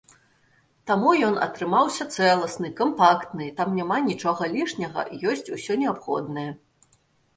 Таму ён атрымаўся цэласны, кампактны, там няма нічога лішняга і ёсць усё неабходнае.